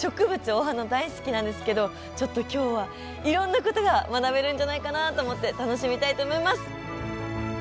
お花大好きなんですけどちょっと今日はいろんなことが学べるんじゃないかなと思って楽しみたいと思います。